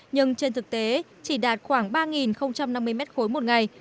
nhưng trên thực tế chỉ đạt khoảng ba năm mươi m ba một ngày